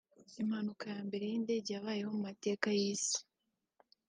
Impanuka ya mbere y’indege yabayeho mu mateka y’isi